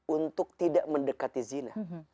untuk tidak mendekati zina